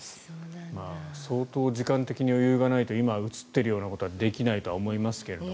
相当時間的な余裕がないと今、映っているようなことはできないとは思いますけど。